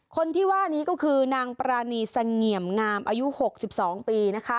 คนที่ว่านี้ก็คือนางปรานีเสงี่ยมงามอายุ๖๒ปี